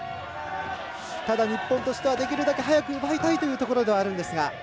ただ、日本としてはできるだけ早く奪いたいというところではあるんですが。